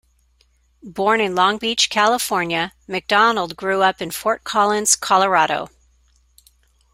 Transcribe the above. Born in Long Beach, California, McDonald grew up in Fort Collins, Colorado.